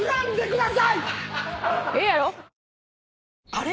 あれ？